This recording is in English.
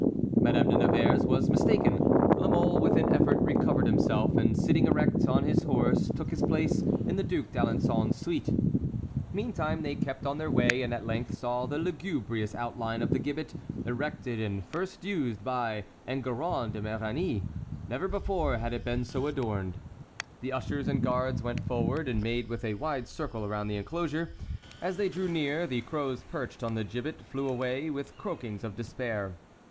Madame de Nevers was mistaken. La Mole, with an effort, recovered himself, and sitting erect on his horse took his place in the Duc d'Alençon's suite. Meantime they kept on their way and at length saw the lugubrious outline of the gibbet, erected and first used by Enguerrand de Marigny. Never before had it been so adorned. The ushers and guards went forward and made a wide circle around the enclosure. As they drew near, the crows perched on the gibbet flew away with croakings of despair.